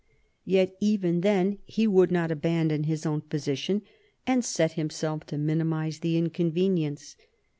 Yet even then he would not abandon his own position and set himself to minimise the inconvenience.